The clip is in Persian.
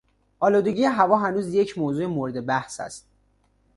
آلودگی هوا هنوز یک موضوع مورد بحث است.